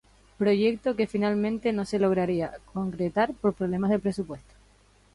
Proyecto que finalmente no se lograría concretar por problemas de presupuesto.